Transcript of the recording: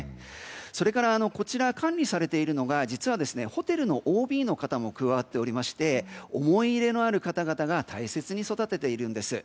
それから、こちらを管理されているのが実は、ホテルのＯＢの方も加わっておりまして思い入れのある方々が大切に育てているんです。